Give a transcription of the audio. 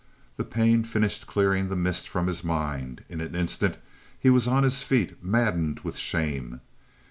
The pain finished clearing the mist from his mind; in an instant he was on his feet, maddened with shame.